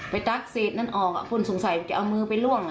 ตั๊กเศษนั้นออกคนสงสัยจะเอามือไปล่วง